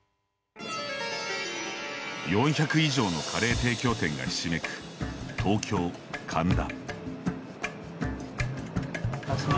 ４００以上のカレー提供店がひしめく東京、神田。